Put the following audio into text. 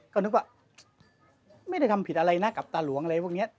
ก็นึกว่าไม่ได้ทำผิดอะไรนะกับตาหลวงอะไรพวกนี้